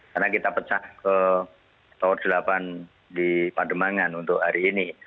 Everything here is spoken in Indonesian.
karena kita pecah ke tower delapan di padebangan untuk hari ini